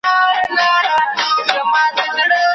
چیغه به سو، دار به سو، منصور به سو، رسوا به سو